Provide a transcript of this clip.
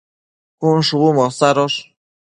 cun shubu mosadosh